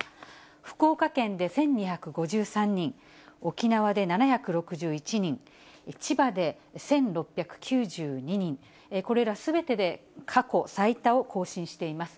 福岡県で１２５３人、沖縄で７６１人、千葉で１６９２人、これらすべてで過去最多を更新しています。